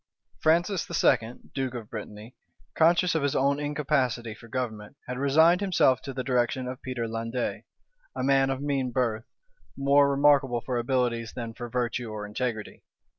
Francis II., duke of Brittany, conscious of his own incapacity for government, had resigned himself to the direction of Peter Landais, a man of mean birth, more remarkable for abilities than for virtue or integrity.